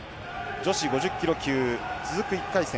女子５０ｋｇ級、続く１回戦